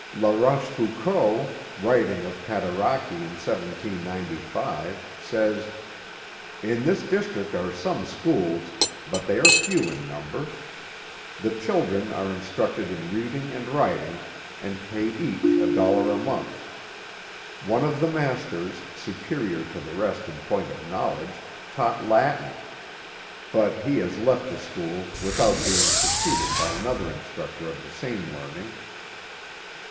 La Rochefoucauld, writing of Cataraqui in 1795, says: 'In this district are some schools, but they are few in number. The children are instructed in reading and writing, and pay each a dollar a month. One of the masters, superior to the rest in point of knowledge, taught Latin; but he has left the school, without being succeeded by another instructor of the same learning.'